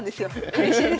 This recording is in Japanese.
うれしいです。